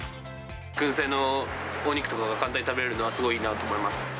くん製のお肉とかが簡単に食べれるのは、すごいいいなと思います。